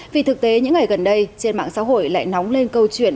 vì thực tế những ngày gần đây trên mạng xã hội lại nóng lên câu chuyện